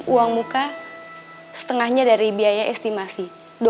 uang muka setengahnya dari biaya estimasi